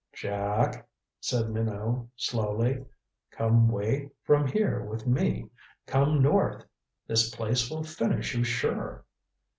"Jack," said Minot slowly, "come way from here with me. Come north. This place will finish you sure."